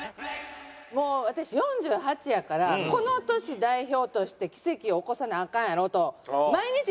もう私４８やからこの年代表として奇跡を起こさなアカンやろと。